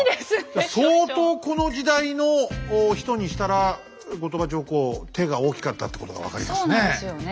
相当この時代の人にしたら後鳥羽上皇手が大きかったってことが分かりますね。